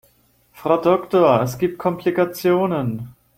Frau Doktor, es gibt Komplikationen.